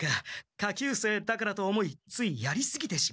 下級生だからと思いついやりすぎてしまった。